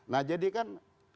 nah jadi kan